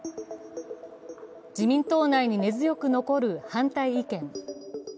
自民党内に根強く残る反対意見。